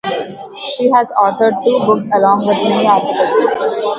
She has authored two books along with many articles.